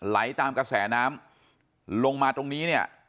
ไหลตามกระแสน้ำลงมาตรงนี้เนี่ย